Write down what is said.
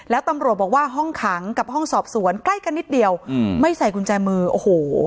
แล้วตำรวจบอกว่าห้องขังกับห้องสอบสวนใกล้กันนิดเดียวอืมไม่ใส่กุญแจมือโอ้โห